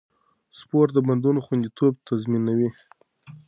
سپورت د بندونو خونديتوب تضمینوي.